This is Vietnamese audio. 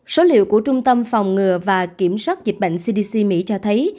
số liệu của trung tâm phòng ngừa và kiểm soát dịch bệnh cdc mỹ cho thấy